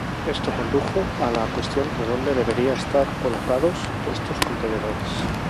Esto condujo a la cuestión de dónde deberían estar colocados estos contenedores.